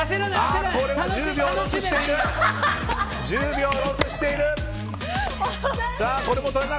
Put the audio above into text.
１０秒ロスしている。